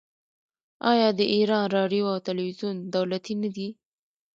آیا د ایران راډیو او تلویزیون دولتي نه دي؟